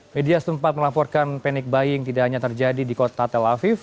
media setempat melaporkan panic buying tidak hanya terjadi di kota tel aviv